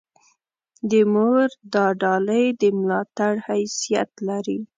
د مور دا ډالۍ د ملاتړ حیثیت لري.